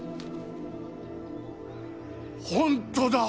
本当だ！